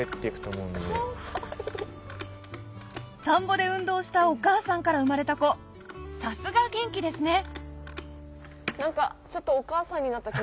田んぼで運動したお母さんから生まれた子さすが元気ですね何か。